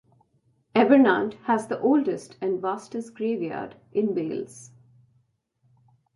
Abernant has the oldest and vastest graveyard in Wales.